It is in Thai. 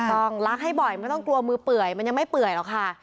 ต้องลักให้บ่อยไม่ต้องกลัวมือเปื่อยมันยังไม่เปื่อยหรอกค่ะ